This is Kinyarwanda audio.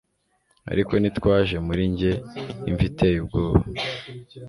ariko nitwaje muri njye imva iteye ubwoba